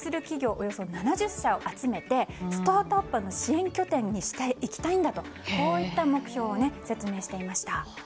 およそ７０社を集めてスタートアップの支援拠点にしていきたいんだという目標を説明していました。